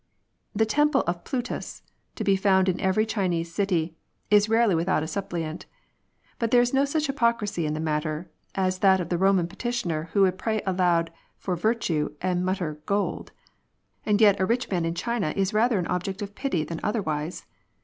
The temple of Plutus— to be found in every Chinese city — is rarely without a suppliant ; but there is no such hypocrisy in the matter as that of the Eoman petitioner who would pray aloud for virtue and mutter " gold." And yet a rich man in China is rather an object of pity than otherwise.